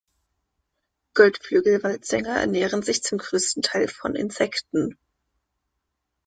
Goldflügel-Waldsänger ernähren sich zum größten Teil von Insekten.